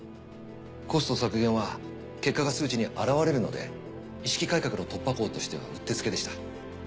コスト削減は結果が数値に表れるので意識改革の突破口としてはうってつけでした。